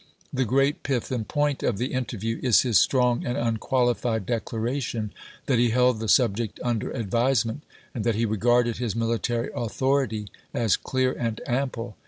The great pith and point of the interview is his strong and unqualified declaration that he held the subject under advisement, and that he regarded his military authority as clear and ample.